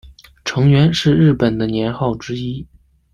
承元是日本的年号之一。